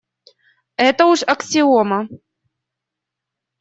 Это уж аксиома.